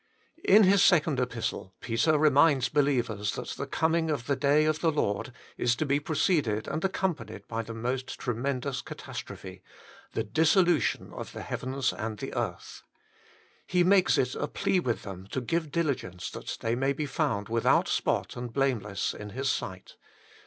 In his second epistle, Peter reminds believers that the coming of the day of the Lord is to be preceded and accompanied by the most tremendous catastrophe the dissolution of the heavens and the earth. He makes it a plea with them to give dili gence that they may be found without spot and blameless in His sight.